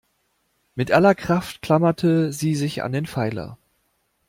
Mit aller Kraft klammerte sie sich an den Pfeiler.